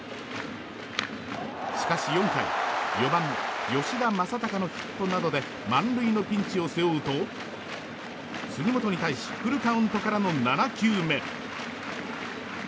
しかし、４回４番、吉田正尚のヒットなどで満塁のピンチを背負うと杉本に対しフルカウントからの７球目。